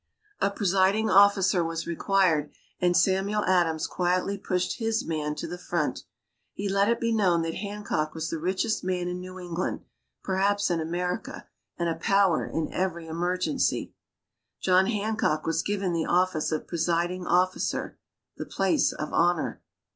A presiding officer was required, and Samuel Adams quietly pushed his man to the front. He let it be known that Hancock was the richest man in New England, perhaps in America, and a power in every emergency. John Hancock was given the office of presiding officer, the place of honor.